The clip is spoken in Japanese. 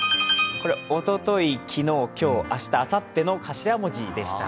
おととい、昨日、今日、あさっての頭文字でした。